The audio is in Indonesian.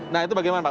nah itu bagaimana pak